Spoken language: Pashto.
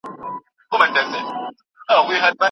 هر څه به ښکاره شي.